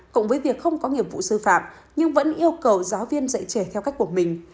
cộng với việc không có nghiệp vụ sư phạm nhưng vẫn yêu cầu giáo viên dạy trẻ theo cách của mình